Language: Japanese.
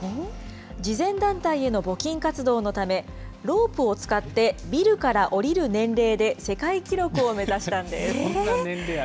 慈善団体への募金活動のため、ロープを使ってビルから降りる年齢で世界記録を目指したんです。